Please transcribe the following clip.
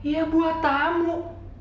ya buat tamu